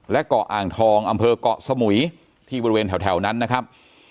และเกาะอ่างทองอำเภอกเกาะสมุยที่บริเวณแถวนั้นนะครับ